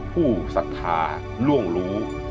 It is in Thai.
ศรัทธาล่วงรู้